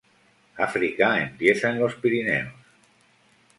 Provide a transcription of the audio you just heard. África empieza en los Pirineos